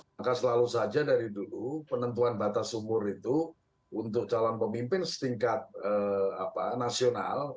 maka selalu saja dari dulu penentuan batas umur itu untuk calon pemimpin setingkat nasional